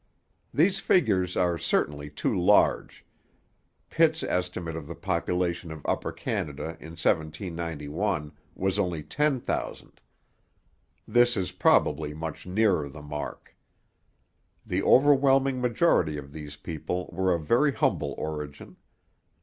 These figures are certainly too large. Pitt's estimate of the population of Upper Canada in 1791 was only ten thousand. This is probably much nearer the mark. The overwhelming majority of these people were of very humble origin.